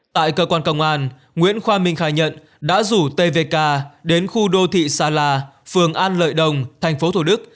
tại cơ quan công an nguyễn khoa minh khai nhận đã rủ tvk đến khu đô thị sa la phường an lợi đông tp thủ đức